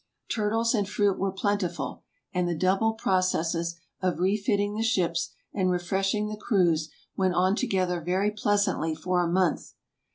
Turtles and fruit were plentiful, and the double processes of refitting the ships and refreshing the crews went on together very pleasantly for a month.